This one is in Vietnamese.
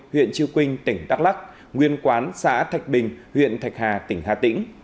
huyện triều quynh tỉnh đắk lắk nguyên quán xã thạch bình huyện thạch hà tỉnh hà tĩnh